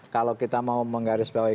kalau kita mau menggarisbawahi